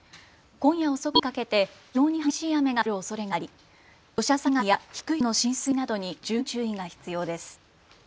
今夜遅くにかけて非常に激しい雨が降るおそれがあり土砂災害や低い土地の浸水などに十分注意が必要です。